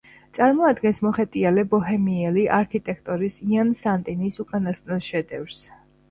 წარმოადგენს მოხეტიალე ბოჰემიელი არქიტექტორის იან სანტინის უკანასკნელ შედევრს.